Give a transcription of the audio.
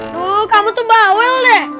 tuh kamu tuh bawel deh